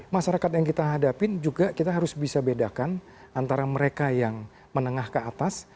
masyarakat yang kita hadapin juga kita harus bisa bedakan antara mereka yang menengah ke atas